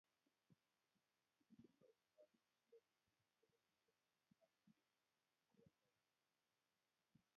Kimonor konetinte ne bo klabit ab emet kowo taonit.